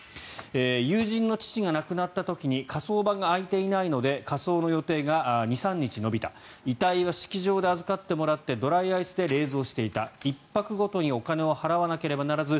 友人の父が亡くなった時に火葬場が空いていないので火葬の予定が２３日延びた遺体は式場で預かってもらいドライアイスで冷蔵していた１泊ごとにお金を払わなければならず